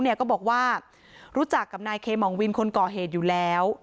ก็บอกว่ารู้จักกับนายเคมองวินคนก่อเหตุอยู่แล้ว